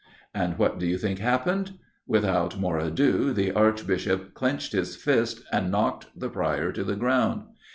And what do you think happened? Without more ado the Archbishop clenched his fist, and knocked the Prior to the ground.